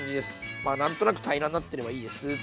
まあ何となく平らになってればいいですっていう。